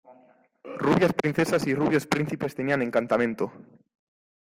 rubias princesas y rubios príncipes tenían encantamento!...